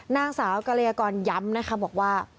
นางสาวกรยากรย้ำนะคะบอกว่า